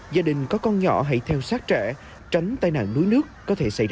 gia đình có con nhỏ hãy theo sát trẻ tránh tai nạn đuối nước có thể xảy ra